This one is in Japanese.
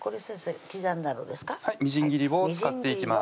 はいみじん切りを使っていきます